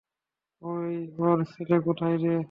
ওই, ওর ছেলে কোথায় রে?